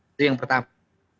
itu yang pertama